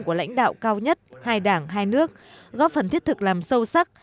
của lãnh đạo cao nhất hai đảng hai nước góp phần thiết thực làm sâu sắc